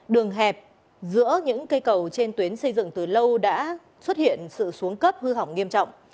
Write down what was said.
đường hẹp giữa những cây cầu trên tuyến xây dựng từ lâu đã xuất hiện sự xuống cấp hư hỏng nghiêm trọng